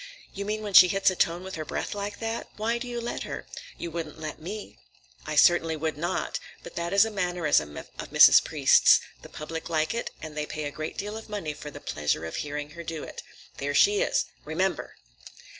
"You mean when she hits a tone with her breath like that? Why do you let her? You wouldn't let me." "I certainly would not. But that is a mannerism of Mrs. Priest's. The public like it, and they pay a great deal of money for the pleasure of hearing her do it. There she is. Remember!"